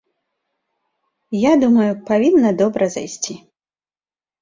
Я думаю, павінна добра зайсці!